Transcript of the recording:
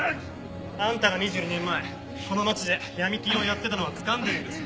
あんたが２２年前この町でヤミ金をやってたのはつかんでるんですよ。